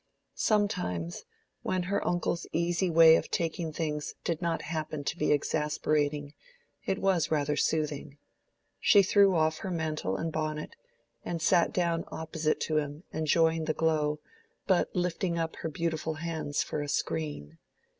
Some times, when her uncle's easy way of taking things did not happen to be exasperating, it was rather soothing. She threw off her mantle and bonnet, and sat down opposite to him, enjoying the glow, but lifting up her beautiful hands for a screen.